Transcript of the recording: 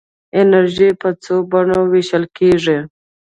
انرژي په څو بڼو ویشل کېږي.